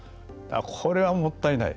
これはもったいない。